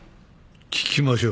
聞きましょう。